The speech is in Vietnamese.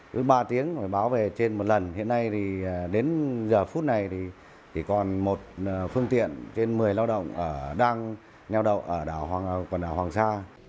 tới ba tiếng mới báo về trên một lần hiện nay thì đến giờ phút này thì còn một phương tiện trên một mươi lao động đang neo đậu ở quần đảo hoàng sa